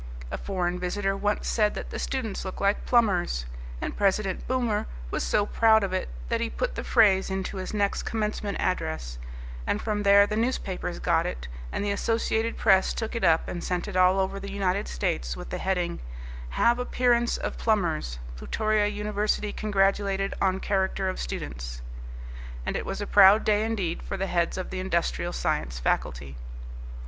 A foreign visitor once said that the students looked like plumbers, and President Boomer was so proud of it that he put the phrase into his next Commencement address; and from there the newspapers got it and the Associated Press took it up and sent it all over the United States with the heading, "Have Appearance of Plumbers; Plutoria University Congratulated on Character of Students," and it was a proud day indeed for the heads of the Industrial Science faculty.